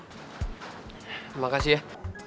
terima kasih ya